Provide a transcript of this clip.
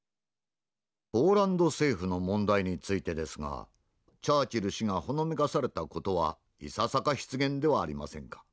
「ポーランド政府の問題についてですがチャーチル氏がほのめかされた事はいささか失言ではありませんか？